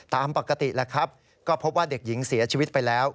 ตามปกติแล้วครับก็พบว่าเด็กหญิงเสียชีวิตไปแล้ว